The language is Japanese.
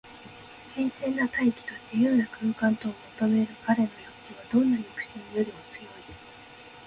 新鮮な大気と自由な空間とを求めるかれの欲求は、どんな憎しみよりも強い。